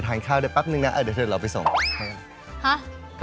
คนเราจะไม่รู้กลิ่นท้าตัวเองเหรอ